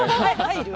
入る？